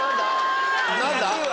何だ？